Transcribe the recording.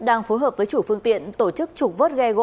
đang phối hợp với chủ phương tiện tổ chức trục vớt ghe gỗ